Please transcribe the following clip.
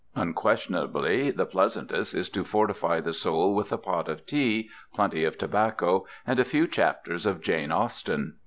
Unquestionably the pleasantest is to fortify the soul with a pot of tea, plenty of tobacco, and a few chapters of Jane Austen.